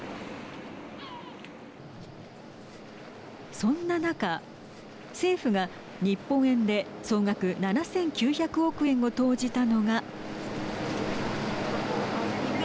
そんな中、政府が日本円で総額７９００億円を投じたのが。